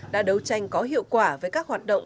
đã đấu tranh có hiệu quả với các hoạt động